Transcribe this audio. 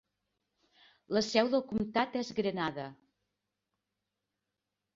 La seu del comtat és Grenada.